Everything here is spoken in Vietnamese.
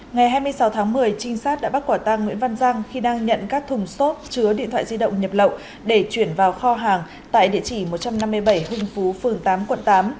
ngày hai mươi sáu tháng một mươi trinh sát đã bắt quả tăng nguyễn văn giang khi đang nhận các thùng xốp chứa điện thoại di động nhập lậu để chuyển vào kho hàng tại địa chỉ một trăm năm mươi bảy hưng phú phường tám quận tám